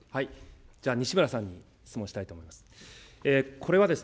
じゃあ、西村さんに質問したいと思います。